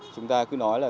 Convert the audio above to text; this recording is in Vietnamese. chúng ta cứ nói là